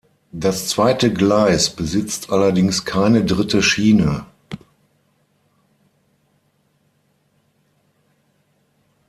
Das zweite Gleis besitzt allerdings keine dritte Schiene.